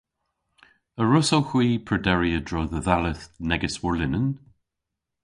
A wrussowgh hwi prederi a-dro dhe dhalleth negys warlinen?